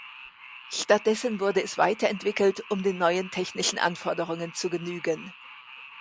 Stattdessen wurde es weiterentwickelt, um den neuen technischen Anforderungen zu genügen.